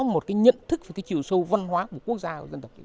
một nhận thức về chiều sâu văn hóa của quốc gia